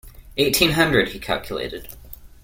Eighteen hundred, he calculated.